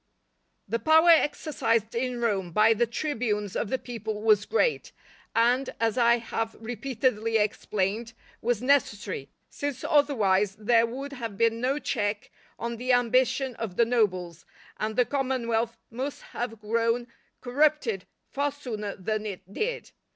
_ The power exercised in Rome by the tribunes of the people was great, and, as I have repeatedly explained, was necessary, since otherwise there would have been no check on the ambition of the nobles, and the commonwealth must have grown corrupted far sooner than it did.